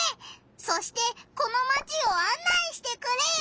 そしてこのマチをあん内してくれよ！